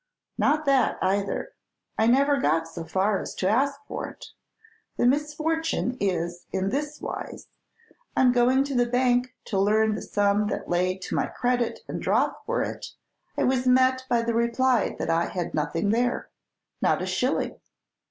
"Not that either; I never got so far as to ask for it. The misfortune is in this wise: on going to the bank to learn the sum that lay to my credit and draw for it, I was met by the reply that I had nothing there, not a shilling.